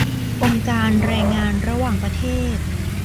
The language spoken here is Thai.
องค์การแรงงานระหว่างประเทศ